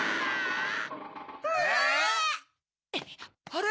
あれ？